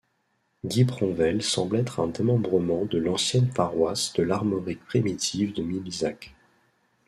Guipronvel semble être un démembrement de l'ancienne paroisse de l'Armorique primitive de Milizac.